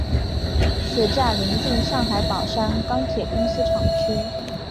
此站邻近上海宝山钢铁公司厂区。